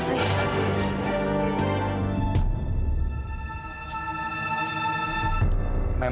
jangan lupa subscribe channel ini